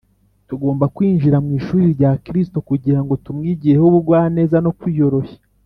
” tugomba kwinjira mu ishuri rya kristo kugira ngo tumwigireho ubugwaneza no kwiyoroshya